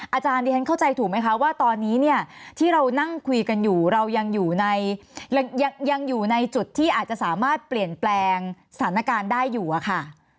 อาจารย์ดิฉันเข้าใจถูกไหมคะว่าตอนนี้เนี่ยที่เรานั่งคุยกันอยู่เรายังอยู่ในยังอยู่ในจุดที่อาจจะสามารถเปลี่ยนแปลงสถานการณ์ได้อยู่อะค่ะ